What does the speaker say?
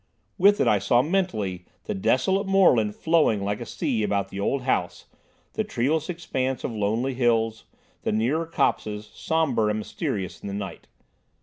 With it I saw mentally the desolate moorland flowing like a sea about the old house, the treeless expanse of lonely hills, the nearer copses, sombre and mysterious in the night.